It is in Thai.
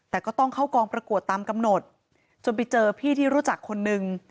แต่ก็ต้องเข้ากองประกวดตามกำหนดจนไปเจอพี่ที่รู้จักคนนึง